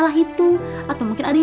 pak agus coba saji di panjang